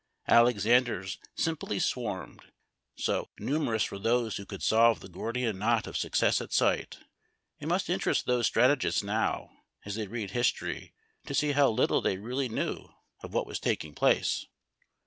Alexanders simply swarmed, so WAITING FOR MAKCHING ORDERS. numerous were those who could solve the Gordian knot of success at sight. It must interest those strategists now, as they read history, to see how little they really knew of what was taking place.